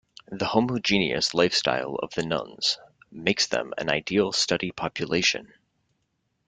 The homogeneous life style of the nuns makes them an ideal study population.